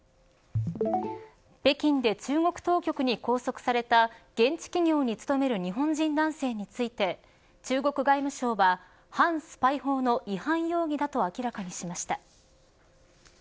北京で中国当局に拘束された現地企業に勤める日本人男性について中国外務省は反スパイ法の違反容疑だと明らかにしました。